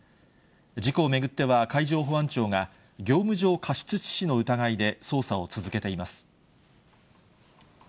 事故を巡っては海上保安庁が業務上過失致死の疑いで捜査を続けています。